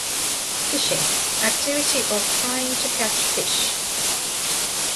Fishing - activity of trying to catch fish.